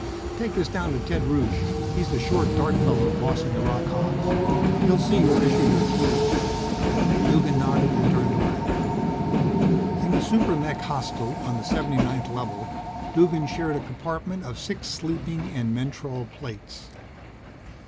"Take this down to Ted Rusche, he's the short, dark fellow bossing the rock hogs. He'll see you're issued your tools." Duggan nodded and turned away. In the super mech hostel, on the 79th Level, Duggan shared a compartment of six sleeping and mentrol plates.